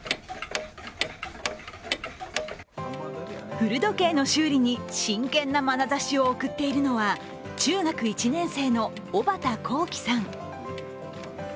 古時計の修理に真剣なまなざしを送っているのは中学１年生の小幡昂輝さん。